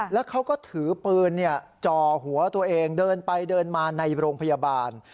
แล้วเขาก็ถือปืนจ่อหัวตัวเองเดินไปเดินมาในโรงพยาบาล